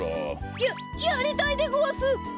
やっやりたいでごわす！